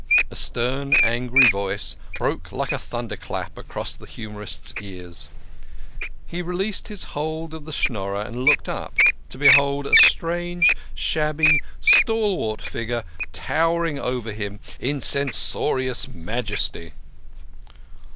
" A stern, angry voice broke like a thunderclap upon the humorist's ears. He released his hold of the Schnorrer and looked up, to behold a strange, shabby, stalwart figure towering over him in censorious majesty.